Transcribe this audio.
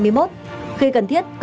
bộ trưởng bộ văn hóa thể thao